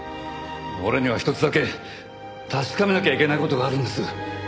俺には一つだけ確かめなきゃいけない事があるんです。